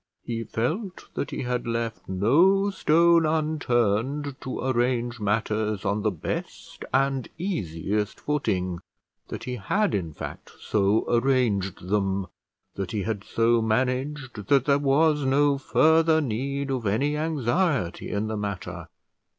He felt that he had left no stone unturned to arrange matters on the best and easiest footing; that he had, in fact, so arranged them, that he had so managed that there was no further need of any anxiety in the matter.